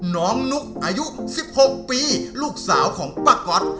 นุ๊กอายุ๑๖ปีลูกสาวของป้าก๊อต